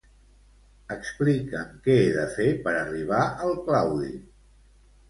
Explica'm que he de fer per arribar al Claudi.